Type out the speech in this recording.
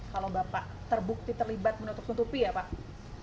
kalau bapak terbukti terlibat menutupi ya pak